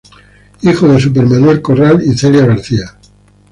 Hijo de Super Manuel Corral y Celia García.